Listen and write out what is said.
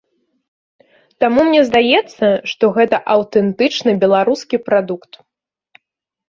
Таму мне здаецца, што гэта аўтэнтычны беларускі прадукт.